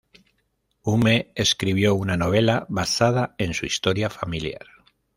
Hume escribió una novela basada en su historia familiar.